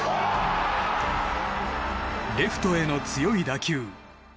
レフトへの強い打球。